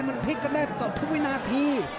มันพลิกกันได้ต่อทุกวินาที